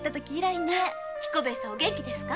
彦兵衛さんお元気ですか？